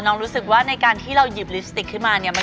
รู้สึกว่าในการที่เราหยิบลิปสติกขึ้นมาเนี่ย